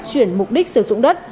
chuyển mục đích sử dụng đất